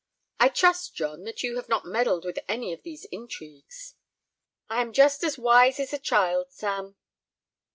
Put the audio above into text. I trust, John, that you have not meddled with any of these intrigues." "I am just as wise as a child, Sam."